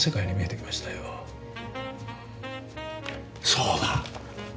そうだ！